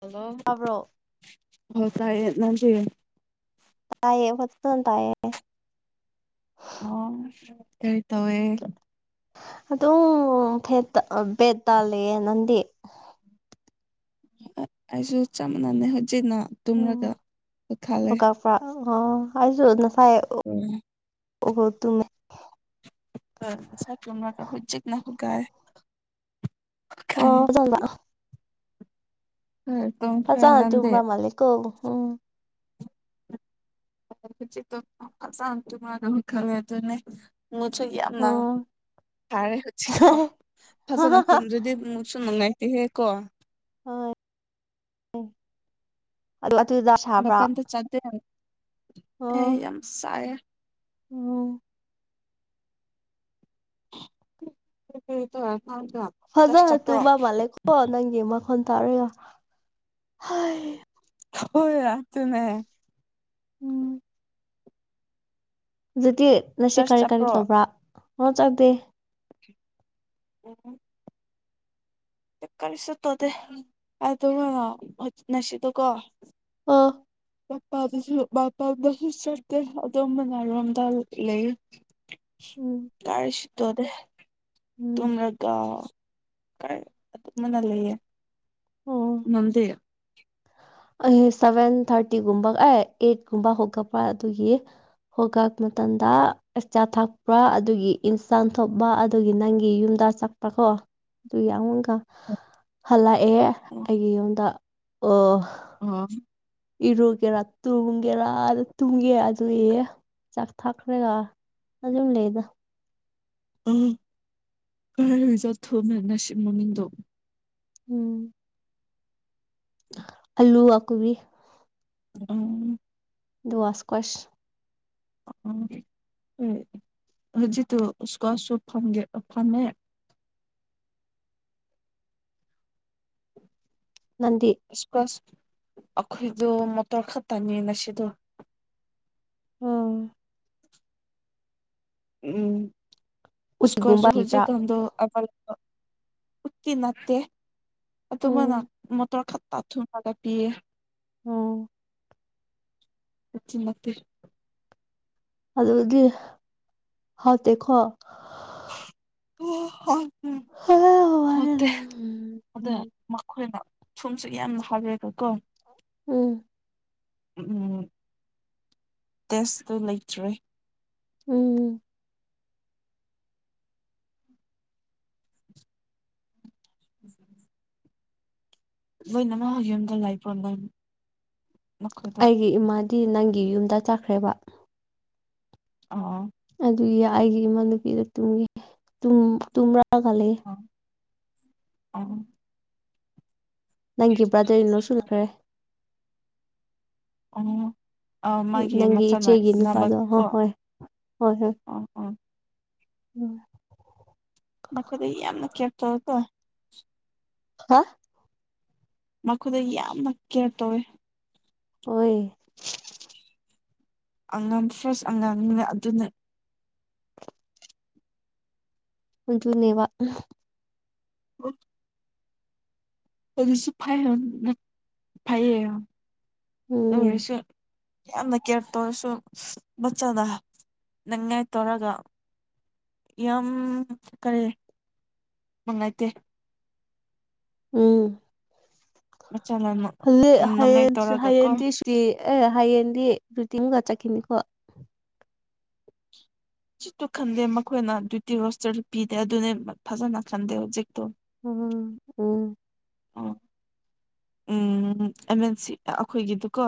hello ꯇꯥꯕ꯭ꯔꯣ ꯍ ꯇꯥꯏ ꯌꯦꯅꯥꯁꯤ ꯇꯑꯌꯦ ꯄꯆꯟ ꯇꯑꯌꯦ ꯑ ꯀꯔꯤ ꯇꯧꯋꯦ ꯑꯗꯨꯝ ꯐ ꯐꯦꯠ ꯇꯥꯜꯂꯤꯦ ꯅꯪꯗꯤ ꯑꯩꯁꯨ ꯆꯞ ꯃꯥꯟꯅꯅꯩ ꯍꯧꯖꯤꯛꯅ ꯇꯨꯝꯔꯒ ꯈꯥꯂꯦ ꯍꯧꯒꯠꯄ꯭ꯔꯥ ꯑꯣ ꯑꯩꯁꯨꯅ ꯐꯥꯏ ꯇꯨꯡ ꯁ ꯇꯔ ꯀ ꯍꯣꯏ ꯖꯤꯛꯅ ꯍꯒꯑ ꯑ ꯆ ꯍꯣꯏ ꯇꯨꯝꯈ꯭ꯔꯦ ꯐꯖꯥ ꯅꯪꯗꯤ ꯇꯨꯕ꯭ꯔꯥꯍꯂꯀꯣ ꯎꯝ ꯁꯥꯟ ꯇꯨ ꯃꯥꯔ ꯈꯔꯦ ꯑꯗꯨ ꯃꯨꯆ ꯀꯃ ꯎꯝ ꯇꯔꯦ ꯍꯧꯣ ꯐꯖꯅꯣ ꯇꯝꯁꯨꯗꯤ ꯃꯁꯨ ꯅꯨꯡꯉꯥꯏꯇꯦꯍꯦ ꯀꯣ ꯑ ꯄ ꯑꯃꯗ ꯆꯠꯗ ꯑꯣ ꯑꯦ ꯌꯥꯝ ꯆꯥꯏꯦ ꯎꯝ ꯍꯇ ꯍꯖ ꯇꯨꯝꯕꯥ ꯃꯥꯂꯦ ꯀꯣ ꯅꯪꯃ ꯐꯣꯟ ꯇꯥꯔꯒ ꯍꯥꯏ ꯍ ꯌꯥꯠꯇꯨꯅ ꯎꯝ ꯑꯗꯨꯗꯤ ꯅꯁꯤ ꯆꯔꯆ ꯀꯔꯤ ꯀꯔꯤ ꯆꯠꯄ꯭ꯔꯣ ꯇꯧꯕ꯭ꯔꯥ ꯑꯣ ꯆꯪꯗꯦ ꯎꯨꯝ ꯀꯔꯤ ꯁꯠꯇꯣꯗꯦ ꯑꯗꯨꯒ ꯅꯁꯤꯗꯀꯣ ꯑꯣ ꯄꯥꯗꯁꯨ ꯄꯄꯥꯗꯁꯨ ꯆꯠꯇꯦ ꯑꯗꯨꯣꯝ ꯃꯅꯥꯔꯣꯝꯗ ꯂꯩ ꯎꯝ ꯀꯥꯔꯤꯁꯤꯠꯇꯅꯦ ꯎꯝ ꯇꯨꯂꯒ ꯀꯥꯏ ꯃꯅ ꯂꯩꯌꯦ ꯑꯣ ꯅꯪꯗꯤ ꯑꯩ ꯁꯚꯦꯟ ꯊꯥꯔꯇꯤꯒꯨꯝꯕ ꯑꯦ ꯑꯩꯠꯀꯨꯝꯕ ꯍꯧꯒꯠꯄ ꯑꯗꯨꯒꯤ ꯍꯣ ꯀꯥꯛꯄ ꯃꯇꯝꯗꯆꯥꯥ ꯊꯛꯄ ꯑꯗꯨꯒꯤ ꯏꯟ ꯆꯥꯟꯊꯄ ꯑꯗꯨꯒꯤ ꯅꯪꯒꯤ ꯌꯨꯝꯗ ꯆꯠꯄ ꯀꯣ ꯑꯗꯨꯨ ꯍꯜꯂꯛꯑꯦ ꯑꯩꯒꯤ ꯌꯨꯝꯗ ꯑꯣ ꯑ ꯏꯔꯨꯒꯦꯔꯥ ꯇꯨꯡꯒꯦꯔꯥ ꯇꯨꯡꯒꯦ ꯑꯗꯨ ꯑꯦ ꯆꯥꯛ ꯊꯥꯛꯈ꯭ꯔꯦꯒ ꯑꯗꯨꯝ ꯂꯩꯗ ꯑ ꯀ ꯆ ꯊ ꯃꯅꯁꯤ ꯃꯃꯤꯗꯣ ꯎꯝ ꯑꯜꯂꯨ ꯋꯥꯀꯕꯤ ꯎꯝ ꯗꯨꯋꯥꯁꯀꯁ ꯎ ꯎꯝ ꯍꯧꯖꯤ ꯎꯀꯣ ꯁꯣ ꯐꯒꯦ ꯐꯃꯦ ꯅꯪꯗꯤ ꯏꯁꯀ꯭ꯋꯥꯁ ꯑꯈꯣꯏꯗꯣ ꯃꯇꯔ ꯈꯥ ꯇꯥꯅꯤ ꯅꯁꯤꯗꯣ ꯑꯥ ꯎꯝꯀꯣꯁꯨ ꯎꯠꯒꯨꯝꯕ ꯄꯤꯕ꯭ꯔꯥ ꯍꯧꯖꯤꯗ ꯑ ꯎꯠꯀꯤ ꯅꯦ ꯑꯗꯨꯗ ꯎꯝ ꯃꯅ ꯃꯇꯔ ꯈ ꯄꯊꯨꯝ ꯇꯥ ꯄꯤꯌꯦ ꯑꯣ ꯄꯆꯃꯊ ꯑꯗꯨꯗꯤ ꯍꯥꯎꯇꯦꯀꯣ ꯑꯣ ꯍꯣꯏ ꯍ ꯑꯣꯠꯇꯦ ꯋꯥꯔꯦꯗ ꯎꯝ ꯑꯗ ꯎꯝ ꯃꯈꯣꯏꯅ ꯁꯣꯝꯁꯨ ꯌꯥꯝꯅ ꯍꯥꯎꯋꯦꯕꯀꯣ ꯎꯝ ꯎꯝ ꯇꯦꯁꯇꯨ ꯂꯩꯇ꯭ꯔꯦ ꯎꯝ ꯎꯝ ꯂꯣꯏꯅꯃꯛ ꯌꯨꯝꯗ ꯂꯥꯏ ꯄ꯭ꯔꯣꯝꯗꯝ ꯑꯩꯒꯤ ꯏꯃꯥꯗꯤ ꯅꯪꯒꯤ ꯌꯨꯝꯗ ꯆꯠꯈ꯭ꯔꯦꯕ ꯑꯣ ꯑꯗꯨꯒꯤ ꯑꯩꯒꯤ ꯏꯃꯥ ꯅꯨꯨꯄꯤꯗ ꯇꯨꯝ ꯇꯨꯝꯕꯥ ꯈꯜꯂ ꯑ ꯅꯪꯒꯤ ꯕ꯭ꯔꯥꯗꯔꯤꯅꯣ ꯁꯨꯂꯈ꯭ꯔꯦ ꯎ ꯑ ꯃꯥꯒꯤ ꯅꯪꯒꯤ ꯃꯆꯥꯏ ꯏꯆꯦꯒꯤ ꯅꯥꯕꯛ ꯅꯨꯄꯥꯗꯣ ꯀꯣ ꯍꯣꯏ ꯑ ꯑ ꯎꯝ ꯃꯈ ꯃꯈꯣꯏꯗ ꯌꯥꯝ ꯅ ꯀꯦ ꯇ ꯀ ꯍꯥ ꯃꯈꯣꯏꯗ ꯌꯥꯝꯅ ꯀꯦꯌꯔ ꯇꯧꯋꯦ ꯑꯣꯏ ꯑꯉꯝ ꯐ꯭ꯔꯦꯁ ꯑꯉꯥꯡꯅ ꯑꯗꯨꯅꯦ ꯃꯨꯅꯦꯕ ꯑꯣ ꯑꯗꯨꯁꯨ ꯐꯩ ꯐꯩꯌꯦ ꯎꯝ ꯑꯣꯏꯔꯁꯨ ꯌꯥꯝꯅ ꯀꯦꯌꯔ ꯇꯧꯔꯁꯨ ꯃꯆꯥꯗ ꯅꯪꯉꯥꯏ ꯇꯧꯔꯒ ꯌꯥꯝ ꯀꯔꯤ ꯅꯨꯡꯉꯥꯏꯇꯦ ꯎꯝ ꯃꯆꯜꯅ ꯍꯂ ꯅꯪꯉꯥꯏ ꯍꯌꯦꯟ ꯇꯧꯔꯒ ꯀꯣ ꯍꯌꯦꯟꯗꯤꯁꯤꯔꯤ ꯑꯦ ꯍꯌꯦꯡ ꯨ ꯇꯤꯡꯒꯆꯥ ꯈꯅꯤꯀꯣ ꯁꯤꯖꯤꯠꯇꯨ ꯈꯟꯗꯦ ꯃꯈꯣꯏꯅ ꯗ꯭ꯌꯨꯇꯤ ꯔꯣꯁꯇꯔ ꯄꯤꯗꯦ ꯑꯗꯨꯅꯦ ꯐꯖꯅ ꯈꯟꯗꯦ ꯍꯧꯖꯤꯛꯇꯣ ꯑ ꯎ ꯑꯣ ꯎꯝ ꯑꯃꯟꯁꯤ ꯑꯩꯈꯣꯏꯒꯤꯗꯨꯀꯣ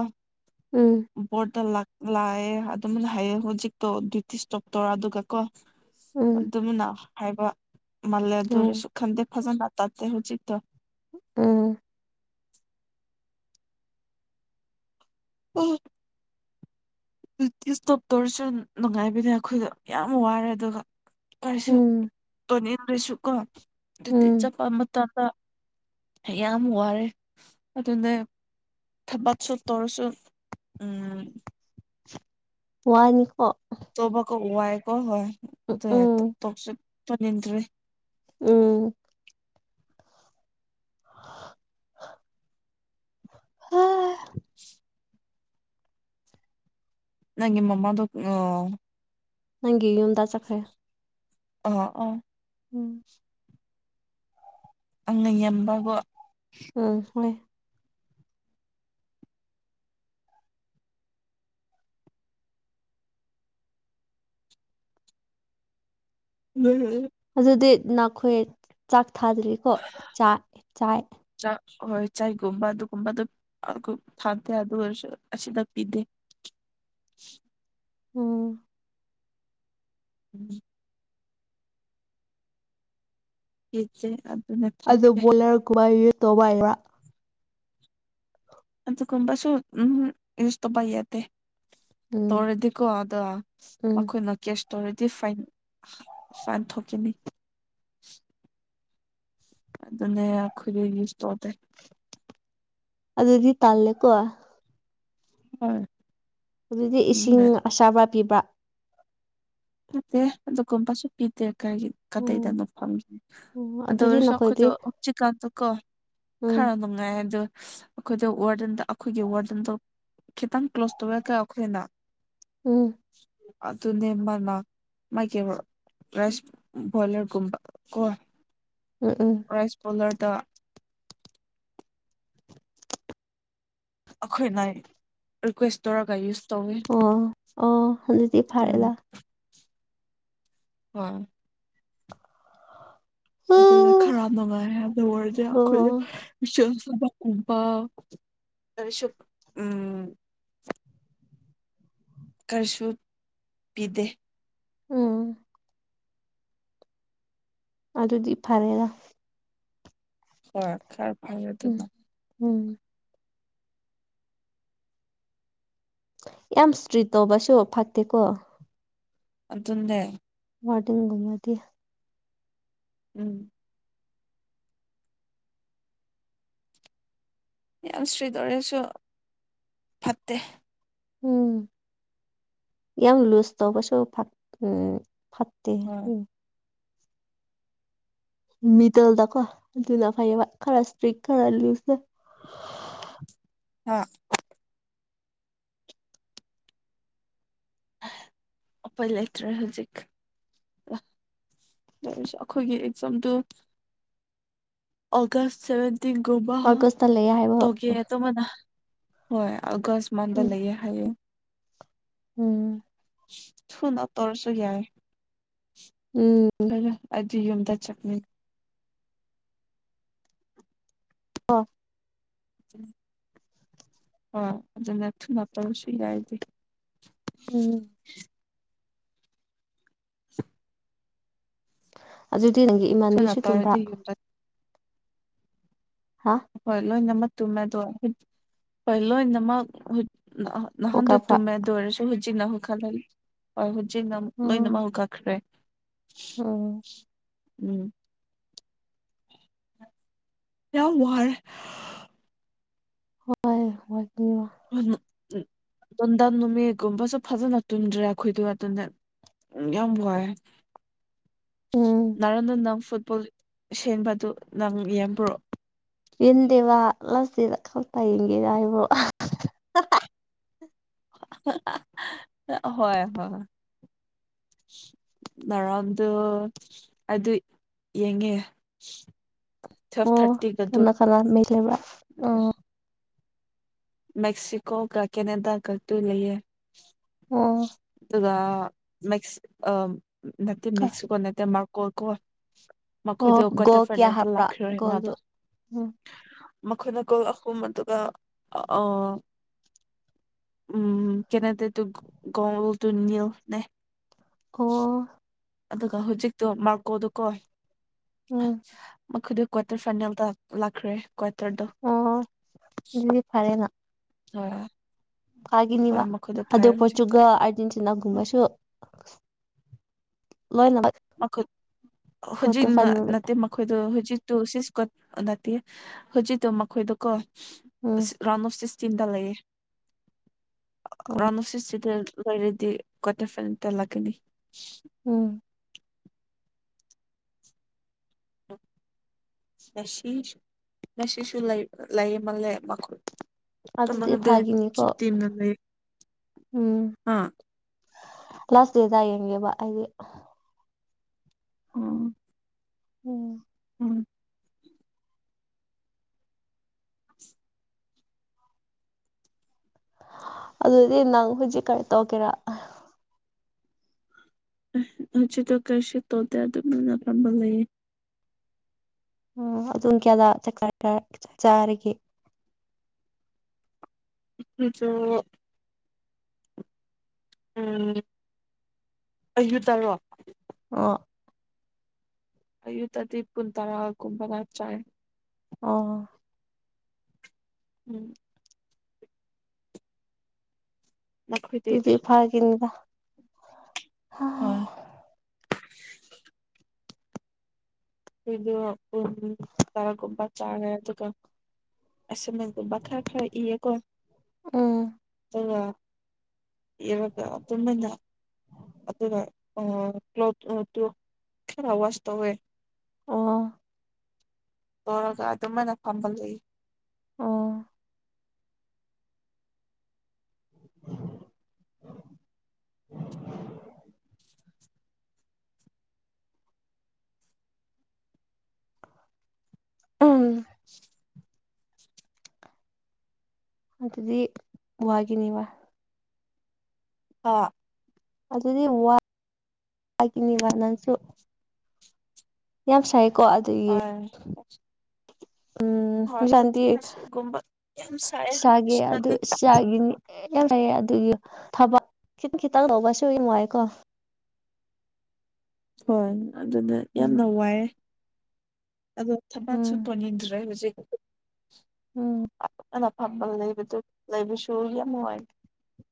ꯎꯝ ꯣꯔꯇꯦꯜ ꯂꯥꯛ ꯂꯥꯛꯑꯦ ꯑꯗꯨꯝ ꯂꯥꯛꯑꯦ ꯍꯧꯖꯤꯛꯇꯣ ꯗ꯭ꯌꯨꯇꯤꯁ ꯇꯣꯛꯇꯔ ꯑꯗꯨꯒ ꯀꯣ ꯎꯝ ꯑꯗꯨꯝꯅ ꯍꯥꯏꯕ ꯃꯥꯜꯂꯦ ꯑꯗꯨ ꯎꯝ ꯑꯣꯏꯔꯁꯨ ꯈꯟꯗꯦ ꯐꯖꯟ ꯂꯥꯛ ꯍꯧ ꯎꯆ ꯎꯝ ꯎꯝ ꯇ ꯏꯁꯇꯣꯞ ꯇꯧꯔꯁꯨ ꯅꯨꯡꯉꯥꯏꯕꯅꯦ ꯑꯩꯈꯣꯏꯗ ꯌꯥꯝ ꯋꯥꯔꯦ ꯑꯗꯨꯒ ꯀꯔꯤꯁꯨ ꯎꯝ ꯇꯅꯤꯡꯗ꯭ꯔꯁꯨ ꯀꯣ ꯑꯗꯨꯗꯤ ꯎꯝ ꯆꯠꯄ ꯃꯇꯝ ꯌꯥꯝ ꯋꯥꯔꯦ ꯑꯗꯨꯅ ꯊꯕꯥꯠꯁꯨꯣ ꯇꯔꯁꯨꯣ ꯎꯝ ꯋꯥꯋꯥꯅꯤꯈ ꯇꯣꯕꯥꯀꯣ ꯋꯥꯥꯏꯀꯣ ꯍꯣꯏ ꯑꯗꯨ ꯎꯝ ꯇꯣꯛꯁꯨꯅꯤꯗ꯭ꯔꯔꯤ ꯎꯝ ꯍꯥ [unintelligible] ꯅꯪꯒꯤ ꯃꯃꯥꯗ ꯑ ꯅꯪꯒꯤ ꯌꯨꯝꯗ ꯆꯠꯈ꯭ꯔꯦ ꯑ ꯑ ꯎꯝ ꯑꯪꯅ ꯌꯦꯕꯒꯣ ꯎꯝ ꯍꯣꯏ ꯂꯩ ꯑꯗꯨꯗꯤ ꯅꯈꯣꯏ ꯆꯥꯛ ꯊꯥꯗ꯭ꯔꯤꯀꯣ ꯆꯥꯏ ꯆꯥꯏ ꯆꯥꯛ ꯍꯣꯏ ꯆꯥꯏꯒꯨꯝꯕ ꯑꯗꯨꯒꯨꯝꯕ ꯑꯗꯨꯝ ꯊꯥꯗꯦ ꯑꯗꯨ ꯑꯣꯏꯔꯁꯨ ꯑꯁꯤꯗ ꯄꯤꯗꯦ ꯎꯝ ꯎꯝ ꯏꯆꯦ ꯑꯗꯨ ꯑꯗꯨ ꯕꯣꯂꯔꯀꯨꯝꯕ ꯌꯨ ꯇꯣꯕꯥ ꯍꯥꯏꯕ ꯑꯗꯨ ꯀꯕꯁꯨ ꯎꯝ ꯏꯁꯨ ꯇꯣꯄ ꯑꯗꯦ ꯎꯝ ꯇꯧꯔꯗꯀꯣ ꯑꯗꯨꯗ ꯎꯝ ꯃꯈꯣꯏꯅ ꯀꯦꯁ ꯇꯔꯗꯤ ꯆꯥꯟꯊꯣꯛꯀꯅꯤ ꯑꯗꯨ ꯑꯗꯨꯅꯦꯦ ꯑꯈꯂ ꯌꯨꯁ ꯇꯣꯇꯦ ꯑꯗꯨꯗꯤ ꯇꯜꯂꯦꯀꯣ ꯍꯣꯏ ꯑꯗꯨꯗꯤ ꯏꯁꯤꯡ ꯑꯗꯨꯅꯦ ꯑꯁꯥꯕ ꯄꯤꯕ ꯃꯦ ꯑꯗꯨꯗ ꯀꯣꯄꯁꯨꯨꯞꯄꯤꯗꯦ ꯀꯔꯤꯒꯤ ꯎꯝ ꯀꯗꯩꯗꯅꯣ ꯐꯪꯈꯤ ꯎꯝ ꯑꯗꯣ ꯑꯗꯨꯗꯤ ꯑꯣꯏ ꯅꯈꯣꯏꯗꯤ ꯁꯈꯗꯣ ꯍꯧꯞ ꯆꯤꯛꯀꯥꯟꯗꯣ ꯀꯣ ꯎꯝ ꯈꯔ ꯅꯉꯥꯏ ꯑꯗꯨ ꯑꯩꯈꯣꯏꯗ ꯋꯥꯔꯗꯟꯗ ꯑꯩꯈꯣꯏꯒꯤ ꯋꯥꯔꯗꯟꯗꯣ ꯈꯤꯇꯪ ꯀ꯭ꯂꯣꯁ ꯇꯧꯋ ꯀ ꯑꯩꯈꯣꯏꯅ ꯎꯝ ꯑꯗꯨ ꯑꯗꯨ ꯅꯦꯝꯕꯂ [unintelligible] ꯎꯝ ꯎꯝ ꯔꯥꯏꯁ ꯄꯣꯂꯔꯗ ꯑꯩꯈꯣꯏꯅ ꯔꯤꯀ꯭ꯋꯦꯁ ꯇꯧꯔꯒ ꯌꯨꯁ ꯇꯧꯋꯤ ꯑꯣ ꯑꯣ ꯑꯗꯨꯗꯤ ꯐꯥꯔꯦꯂ ꯎꯝ [unintelligible] ꯑꯗꯨꯅ ꯑꯣ ꯈꯔ ꯅꯨꯡꯉꯥꯏꯔꯦ ꯍꯥꯏꯅ ꯑꯣꯏꯔꯗꯤ ꯑꯩꯈꯣꯏ ꯨꯕꯄ ꯎꯝ ꯀꯔꯤꯁꯨ ꯄꯤꯗꯦ ꯎꯝ ꯑꯗꯨꯗꯤ ꯐꯔꯦꯒ ꯍꯣꯏ ꯈꯥꯔ ꯐꯜꯦ ꯎꯝ ꯑꯗꯨꯅ ꯎꯝ ꯌꯥꯝ ꯏꯁꯇ꯭ꯔꯤꯠ ꯇꯧꯕꯁꯨ ꯐꯛꯇꯦꯀꯣ ꯑꯗꯨ ꯑꯗꯨꯗꯦ ꯋꯥꯔꯇꯤꯡ ꯨꯃꯗꯤ ꯎꯝ ꯌꯥꯝ ꯁ꯭ꯔꯤꯗ ꯑꯣꯏꯔꯁꯨ ꯐꯠꯇꯦ ꯎꯝ ꯌꯥꯝ ꯂꯨꯁ ꯇꯧꯕꯁꯨ ꯎꯝ ꯐꯠꯇꯦ ꯍꯣꯏ ꯎ ꯃꯤꯇꯜꯗꯀꯣ ꯑꯗꯨꯅ ꯐꯩꯌꯦꯕ ꯈꯔ ꯏꯁꯇ꯭ꯔꯤꯛ ꯈꯔ ꯂꯨꯁ ꯍꯥ ꯎꯄꯥꯌ ꯂꯩꯠꯔꯦ ꯍꯧꯖꯤꯛ ꯑꯩꯈꯣꯏꯒꯤ ꯑꯦꯛꯖꯥꯝꯗꯨ ꯑꯣꯒꯁ ꯁꯚꯦꯟꯇꯤꯟꯒꯨꯝꯕ ꯑꯥꯒꯁꯇ ꯂꯩꯌꯦ ꯍꯥꯏꯕ ꯇꯒꯦ ꯇ ꯃꯅ ꯍꯣꯏ ꯑꯒꯁꯃꯥꯟꯗ ꯎꯝ ꯂꯩꯌꯦ ꯍꯥꯏꯌꯦ ꯎꯝ ꯁꯨꯅ ꯇꯧꯔꯁꯨ ꯎꯝ ꯌꯥꯏꯅ ꯇꯝꯗ ꯆꯠꯅꯤ ꯑ ꯎ ꯑ ꯑꯗꯨꯅ ꯊꯨꯅꯇꯕꯁꯨ ꯌꯥꯏꯗꯤ ꯎꯝ ꯑꯗꯨꯗꯤ ꯅꯪꯒꯤ ꯊꯨꯅ ꯏꯃꯥꯟꯒꯤꯁꯨ ꯇꯨꯝꯕ꯭ꯔꯥ ꯇꯧꯔꯗꯤ ꯌꯨꯝꯗ ꯍꯥ ꯍꯣꯏ ꯂꯣꯏꯅꯃꯛ ꯇꯨꯝꯃꯦꯗ ꯍꯣꯏ ꯂꯣꯏꯅꯃꯛ ꯀꯣꯜ ꯅꯍꯥꯟꯗꯨ ꯇꯨ ꯀꯥꯞꯄ꯭ꯔꯥ ꯃꯗꯧꯔꯁꯨ ꯍꯧꯖꯤꯛꯅꯅꯥꯍꯨ ꯈꯜ ꯍꯣꯏ ꯆꯤꯟ ꯂꯣꯏꯅ ꯃꯍꯨꯛ ꯀꯛꯈ꯭ꯔꯦ ꯑꯣꯝ ꯎꯝ ꯌꯥ ꯋꯥꯔ ꯍꯣꯏ ꯍꯣꯏ ꯇꯟꯗꯥꯥꯟ ꯅꯃꯤꯒ ꯄ ꯁꯣ ꯐꯖꯅꯠꯇꯨꯟꯗꯥꯈꯣꯏꯗ ꯋꯥ ꯇꯗ ꯀꯕꯦ ꯎꯝ ꯅꯔꯅ ꯅꯝ ꯐꯨꯠꯕꯣꯜ ꯁꯦꯡꯟꯕꯥꯗꯨ ꯏꯗꯤ ꯋꯥ ꯁꯤꯗ ꯈ ꯇꯌꯦꯡꯒꯦ ꯍꯥꯏ ꯍꯥꯏꯕ꯭ꯔꯣ ꯍꯣꯏ ꯍꯣꯏ [inaudible] ꯉꯔꯝꯗꯣ ꯑꯗꯨ ꯌꯦꯡꯉꯦ ꯇ꯭ꯨꯋꯦꯜꯐ ꯑꯣ ꯊꯥꯔꯇꯤꯒꯗꯨ ꯀꯅꯥ ꯀꯅꯥ ꯃꯩ ꯂꯩꯕ꯭ꯔꯥ ꯑꯣ ꯃꯦꯛꯁꯤꯀꯣ ꯀ ꯀꯦꯅꯦꯗꯥ ꯀ ꯇ ꯂꯩꯦ ꯑꯣ ꯑꯗꯨꯒ ꯃꯦꯛ ꯑ ꯅꯠꯇꯦ ꯃꯦꯛꯁꯀꯣ ꯅꯠꯇꯦ ꯃꯔꯀꯣ ꯀꯣ ꯑꯣ ꯃꯈꯣꯏꯗꯣ ꯀ꯭ꯋꯥꯇꯔ ꯒꯣꯜ ꯀꯌꯥ ꯐꯥꯏꯅꯦꯜꯗ ꯍꯥꯞꯄ꯭ꯔꯥ ꯂꯥꯛꯈ꯭ꯔꯣꯏ ꯒꯣꯜꯗꯨ ꯃꯥꯗꯣ ꯎꯝ ꯃꯈꯣꯏꯅ ꯀꯣꯛ ꯑꯍꯨꯝ ꯑꯗꯨꯒ ꯑ ꯎꯝ ꯀꯅꯦꯗ ꯇꯨ ꯇꯨ ꯅꯅꯤꯜ ꯅ ꯑꯣ ꯑꯗꯨꯒ ꯍꯧꯖꯤꯛꯇꯣ ꯃꯥꯔꯀꯣꯗꯨꯣ ꯀꯣꯏ ꯎꯝ ꯃꯈꯣꯏꯗ ꯀ꯭ꯋꯥꯇꯔ ꯐꯥꯏꯅꯦꯜꯗ ꯂꯥꯛꯈ꯭ꯔꯦ ꯀ꯭ꯋꯥꯇꯔꯗꯣ ꯑꯣ ꯑꯗꯨꯗꯤ ꯑ ꯐꯒꯤꯅꯤꯕ ꯑꯗꯨ ꯄꯠꯁꯨꯨꯒ ꯑꯔꯖꯦꯟꯇꯤꯅꯥꯒꯨꯝꯕꯁꯨ [inaudible] ꯃ ꯍꯨꯖꯤ ꯀ꯭ꯋꯥꯇꯔ ꯐꯥꯏꯅꯦꯜ ꯅꯠꯇꯦ ꯃꯈꯣꯏ ꯑꯗꯨ ꯍꯨꯖꯤ ꯨ ꯁꯤꯁ ꯅꯠꯇꯦ ꯍꯧꯖꯤꯛꯇꯣ ꯃꯈꯣꯏꯗꯀꯣ ꯎꯝ ꯔꯥꯎꯟ ꯑꯣꯐ ꯁꯤꯁ ꯆꯤꯟꯇꯥ ꯂꯩꯌꯦ ꯔꯅ ꯁ꯭ꯁꯗ ꯂꯣꯏꯔꯗꯤ ꯀꯣꯠꯇ ꯐꯅ ꯇꯜꯂꯛꯀꯅꯤ ꯎꯝ ꯉꯁꯤꯁꯨ ꯉꯁꯤꯁꯨ ꯂꯩ ꯂꯩꯌꯦꯃꯜꯂꯦ ꯃꯈꯜ ꯑꯗꯨꯗꯤ ꯐꯥꯒꯤꯅꯤꯀꯣ ꯇꯤꯝꯅ ꯂꯩ ꯎꯝ ꯑꯥ ꯂꯥꯁ ꯗꯦꯗ ꯌꯦꯡꯦꯕ ꯑꯩꯗꯤ ꯑ ꯎꯝ ꯑꯗꯨꯗꯤ ꯅꯪ ꯍꯧꯖꯤꯛ ꯀꯥꯏ ꯇꯧꯒꯦꯔꯥ ꯍꯧꯖꯤꯠꯇꯣ ꯀꯩꯁꯤ ꯇꯣꯗꯦ ꯑꯗꯨꯝꯅꯅꯄꯥꯝꯕ ꯂꯩꯌꯦ ꯎ ꯑꯗꯨꯝ ꯀꯌꯥꯗ ꯆ ꯆꯥꯔꯒꯦ ꯁꯨꯣ [unintelligible] [inaudible] ꯎꯝ ꯑꯌꯨ ꯇꯔꯣ ꯑ [unintelligible] [inaudible] ꯑꯩꯌꯨ ꯑꯗꯤꯕ ꯀꯨꯟꯇꯔꯥ ꯍꯀꯨꯝꯕꯅꯥ ꯆꯥꯏ ꯑꯥ [unintelligible] [inaudible] ꯎꯝ ꯅꯈꯣꯏꯗꯤ ꯐꯥ ꯀꯗ ꯍꯣꯏ ꯑꯗꯨꯗ ꯑꯄ ꯇꯔꯥꯒꯨꯞꯄꯥ ꯆꯥꯗꯨ ꯀ ꯑꯁ ꯅꯒꯨꯝꯕ ꯈꯔ ꯈꯔ ꯏꯌꯦꯀꯣ ꯎꯝ ꯑꯗꯨꯒ ꯏꯔꯒ ꯄꯨꯃꯅ ꯑꯗꯨꯒ ꯑ ꯀ꯭ꯂ ꯈꯔ ꯋꯥꯁꯇ ꯑꯣꯏ ꯑꯣ ꯇꯧꯔꯒ ꯑꯗꯨꯃꯥꯏꯅ ꯐꯥꯝꯒꯜꯂꯛꯏ ꯑꯣ ꯑꯥ ꯑꯗꯨꯗꯤ ꯋꯥꯦꯅꯤ ꯋꯥ ꯑ [unintelligible] [inaudible] ꯑꯗꯨꯗꯤ ꯋꯥꯒꯤꯅꯤ ꯋꯥ ꯅꯪꯁꯨ ꯌꯥꯝꯁꯥꯏ ꯑ [unintelligible] [inaudible] ꯎꯝ ꯍꯧꯖꯤꯛꯀꯥꯟꯗꯤ ꯍꯒꯨꯝꯕ ꯌꯥꯝ ꯁ ꯑꯂ [unintelligible] [inaudible] ꯑꯗꯨꯒꯤ ꯊꯕꯛ ꯈꯤ ꯈꯤꯇꯪ ꯂꯧꯕꯁꯨ ꯅꯨꯡ ꯋꯥꯥꯏꯀꯣ ꯍꯣꯏ ꯑꯗꯨꯅ ꯌꯥꯝꯅ ꯋꯥꯏꯑꯦ ꯑꯗꯣ ꯊꯕ ꯁꯨ ꯎꯝ ꯇꯅꯤꯗ꯭ꯔꯦ ꯍꯧꯖꯤꯛ ꯎꯝ ꯅ ꯐꯝꯕ ꯂꯩꯕꯗꯨ ꯂꯩꯕꯁꯨ ꯌꯥꯝꯅꯨꯡ ꯋꯥꯏ